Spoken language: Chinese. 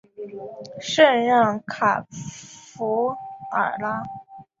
圣让卡弗尔拉。